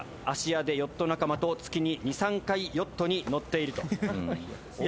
芦屋でヨット仲間と月に２３回ヨットに乗っていると。